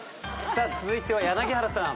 さあ続いては柳原さん。